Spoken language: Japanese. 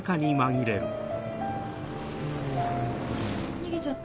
逃げちゃった。